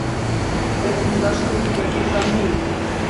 В этом не должно быть никаких сомнений.